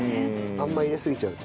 あんま入れすぎちゃうと。